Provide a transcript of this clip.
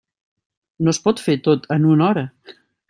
No es pot fer tot en una hora.